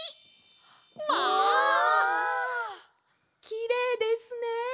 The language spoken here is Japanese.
きれいですね！